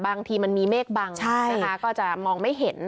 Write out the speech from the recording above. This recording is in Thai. บางทีมันมีเมฆบังนะคะก็จะมองไม่เห็น